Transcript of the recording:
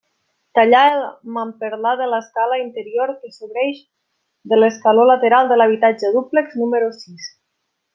Tallar el mamperlà de l'escala interior que sobreïx de l'escaló lateral de l'habitatge dúplex número sis.